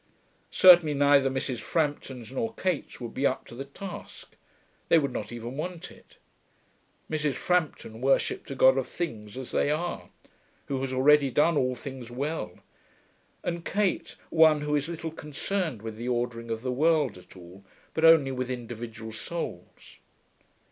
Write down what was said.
Certainly neither Mrs. Frampton's nor Kate's would be up to the task; they would not even want it. Mrs. Frampton worshipped a God of Things as they Are, who has already done all things well, and Kate one who is little concerned with the ordering of the world at all, but only with individual souls.